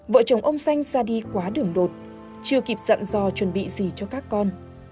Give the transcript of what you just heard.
vợ chồng ông xanh ra đi quá đường đột chưa kịp dặn dò chuẩn bị gì cho các con